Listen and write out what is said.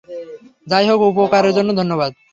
যাই হোক, উপহারের জন্য ধন্যবাদ।